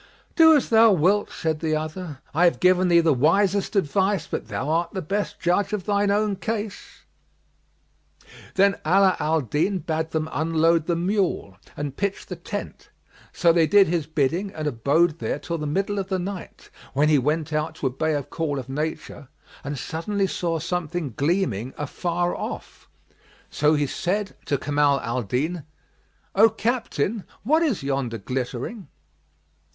"Do as thou wilt," said the other "I have given thee the wisest advice, but thou art the best judge of thine own case." Then Ala al Din bade them unload the mule; and pitch the tent; so they did his bidding and abode there till the middle of the night, when he went out to obey a call of nature and suddenly saw something gleaming afar off. So he said to Kamal al Din, "O captain, what is yonder glittering?"